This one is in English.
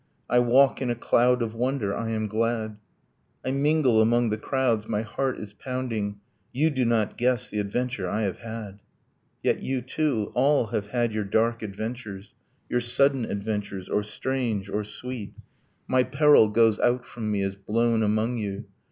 I walk in a cloud of wonder; I am glad. I mingle among the crowds; my heart is pounding; You do not guess the adventure I have had! ... Yet you, too, all have had your dark adventures, Your sudden adventures, or strange, or sweet ... My peril goes out from me, is blown among you.